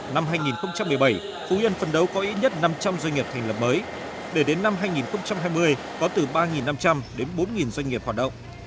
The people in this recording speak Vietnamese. năm hai nghìn một mươi bảy phú yên phân đấu có ít nhất năm trăm linh doanh nghiệp thành lập mới để đến năm hai nghìn hai mươi có từ ba năm trăm linh đến bốn doanh nghiệp hoạt động